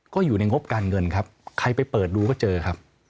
ก็อยู่ในงบการเงินครับใครไปเปิดดูก็เจอครับ